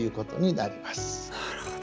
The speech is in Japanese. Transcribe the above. なるほど。